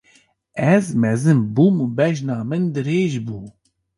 Ez mezin bûm û bejna min dirêj bû.